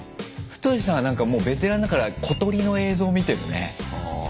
ふとしさんはもうベテランだから小鳥の映像見てるね。